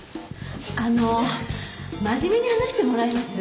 あの真面目に話してもらえます？